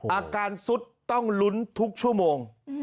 อาการซุดต้องลุ้นทุกชั่วโมง